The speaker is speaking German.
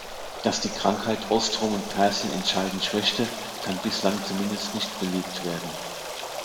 Dass die Krankheit Ostrom und Persien entscheidend schwächte, kann bislang zumindest nicht belegt werden.